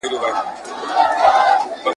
پرون د چا وه، نن د چا، سبا د چا په نصیب؟ ..